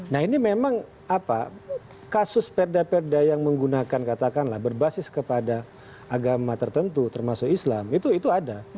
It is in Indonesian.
nah ini memang apa kasus perda perda yang menggunakan katakanlah berbasis kepada agama tertentu termasuk islam itu ada